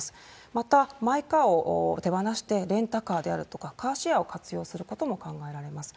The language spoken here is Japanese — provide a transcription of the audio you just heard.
またマイカーを手ばなして、レンタカーであるとか、カーシェアを活用することも考えられます。